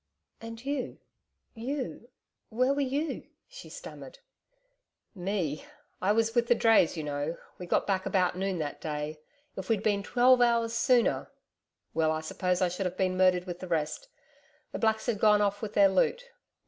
'And you ... you ... where were you?' she stammered. 'Me! I was with the drays, you know. We got back about noon that day.... If we'd been twelve hours sooner! Well, I suppose I should have been murdered with the rest.... The blacks had gone off with their loot....